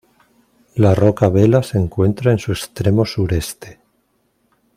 La roca Vela se encuentra en su extremo sureste.